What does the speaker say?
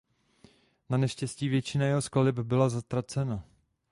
Naneštěstí většina jeho skladeb byla ztracena.